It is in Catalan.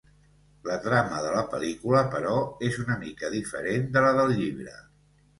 La trama de la pel·lícula, però, és una mica diferent de la del llibre.